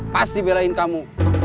pas dibelain kamu